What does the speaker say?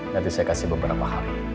nanti saya kasih beberapa hari